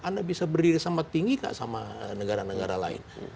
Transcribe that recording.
anda bisa berdiri sama tinggi gak sama negara negara lain